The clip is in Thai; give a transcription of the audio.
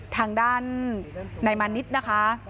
ทางด้านไหนมันนิดนะคะ